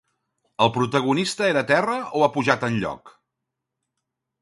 El protagonista era a terra o ha pujat enlloc?